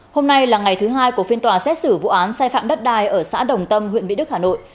hôm nay là ngày thứ hai của phiên tòa xét xử vụ án sai phạm đất đai ở xã đồng tâm huyện mỹ đức hà nội